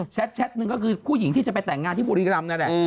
หนึ่งก็คือผู้หญิงที่จะไปแต่งงานที่บุรีรำนั่นแหละ